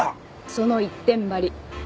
その一点張り。